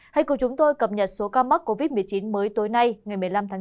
hãy cùng chúng tôi cập nhật số ca mắc covid một mươi chín mới tối nay ngày một mươi năm tháng chín